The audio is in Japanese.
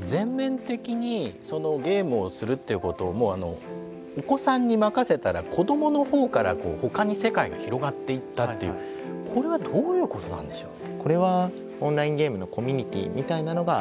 全面的にゲームをするっていうことをお子さんに任せたら子どもの方から他に世界が広がっていったっていうこれはどういうことなんでしょうね？